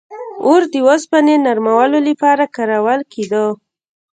• اور د اوسپنې د نرمولو لپاره کارول کېده.